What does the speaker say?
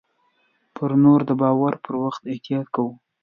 پر نور د باور پر وخت احتياط کوه .